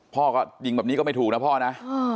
พ่อก็ยิงแบบนี้ก็ไม่ถูกนะพ่อนะ